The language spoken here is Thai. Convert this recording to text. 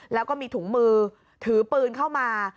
แล้วก็มีถุงมือถือปืนเข้ามา